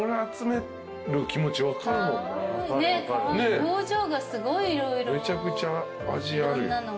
めちゃくちゃ味ある。